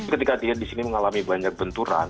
ketika dia disini mengalami banyak benturan